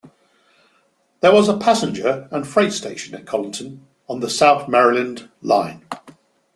There was a passenger and freight station at Collington on the Southern Maryland Line.